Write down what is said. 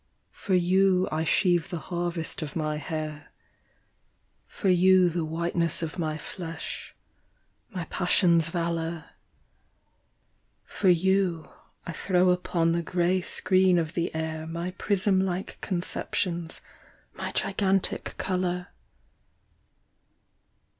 For you I sheave the harvest of my hair, For you the whiteness of my flesh, my passion's valour, For you I throw upon the grey screen of the air My prism like conceptions, my gigantic colour.